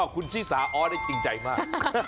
อ๋อคุณชี่สาอ้อได้จริงใจมาก